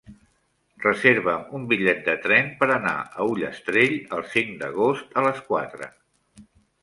Reserva'm un bitllet de tren per anar a Ullastrell el cinc d'agost a les quatre.